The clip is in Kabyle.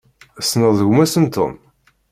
Tessneḍ gma-s n Tom?